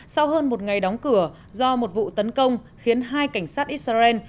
sau hơn một ngày đóng cửa do một vụ tấn công khiến hai cảnh sát israel